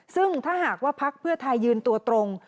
ซึ่งถ้าหากว่าพักเพื่อไทยยืนตัวตรง